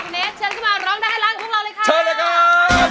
เนธเชิญเข้ามาร้องได้ให้ร้านกับพวกเราเลยค่ะ